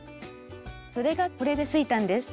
そでがこれでついたんです。